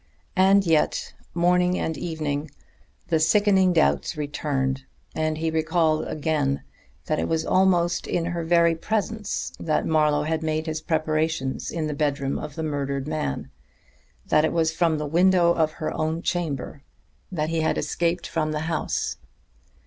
And yet, morning and evening, the sickening doubts returned, and he recalled again that it was almost in her very presence that Marlowe had made his preparations in the bedroom of the murdered man, that it was from the window of her own chamber that he had escaped from the house.